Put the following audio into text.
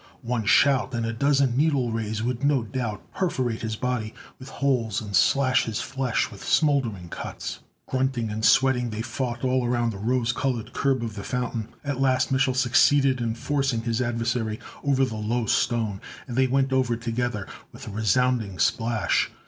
One shout, and a dozen needle rays would no doubt perforate his body with holes and slash his flesh with smoldering cuts. Grunting and sweating, they fought all around the rose colored curb of the fountain. At last Mich'l succeeded in forcing his adversary over the low stone, and they went over together with a resounding splash.